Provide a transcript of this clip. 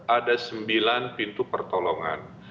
ada sembilan pintu pertolongan